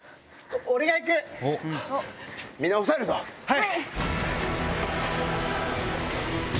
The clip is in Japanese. はい！